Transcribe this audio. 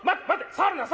触るな！